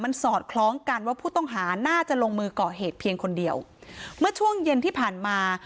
สอดคล้องกันว่าผู้ต้องหาน่าจะลงมือก่อเหตุเพียงคนเดียวเมื่อช่วงเย็นที่ผ่านมา